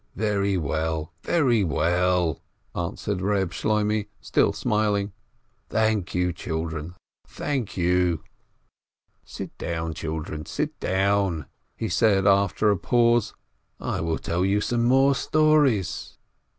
"Very well, very well," answered Reb Shloimeh, still smiling. "Thank you, children ! Thank you !" "Sit down, children, sit down." he said after a pause. "I will tell you some more stories."